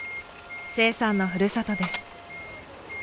清さんのふるさとです。